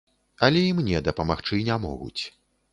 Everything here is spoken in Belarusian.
Але і мне дапамагчы не могуць.